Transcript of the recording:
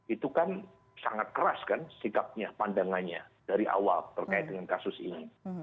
itu kan sangat keras kan sikapnya pandangannya dari awal terkait dengan kasus ini